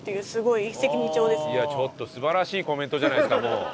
いやちょっと素晴らしいコメントじゃないですかもう。